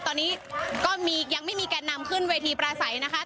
ตอนนี้ก็ยังไม่มีแก่นนำขึ้นเวทีประสัยนะคะ